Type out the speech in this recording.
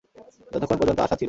যতক্ষণ পর্যন্ত আশা ছিল।